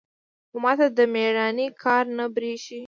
خو ما ته د ميړانې کار نه بريښي.